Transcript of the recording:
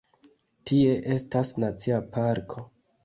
Tie estas nacia parko.